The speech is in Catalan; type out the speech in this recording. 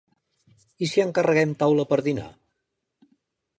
I si encarreguem taula per dinar?